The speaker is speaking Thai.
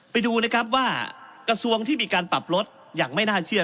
ไปดูนะครับว่ากระทรวงที่มีการปรับลดอย่างไม่น่าเชื่อ